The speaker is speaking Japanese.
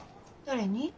誰に？